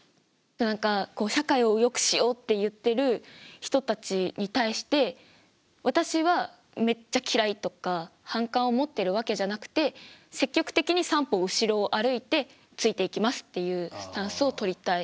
何か社会をよくしようって言ってる人たちに対して私はめっちゃ嫌いとか反感を持ってるわけじゃなくて積極的に３歩後ろを歩いてついていきますっていうスタンスをとりたい。